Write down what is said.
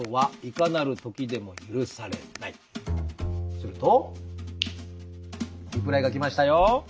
するとリプライが来ましたよ。